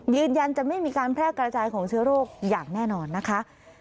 ยืนยันจะไม่มีการแพร่กระจายของเชื้อโรคอย่างแน่นอนนะคะ